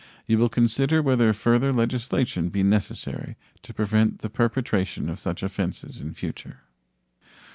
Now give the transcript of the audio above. You will consider whether further legislation be necessary to prevent the perpetration of such offenses in future.